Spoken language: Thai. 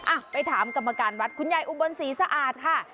อ่ะไปถามกรรมการวัดคุณยายอุบลศรีสะอาดค่ะ